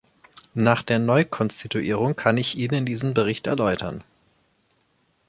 Nach der Neukonstituierung kann ich Ihnen diesen Bericht erläutern.